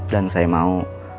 dan saya mau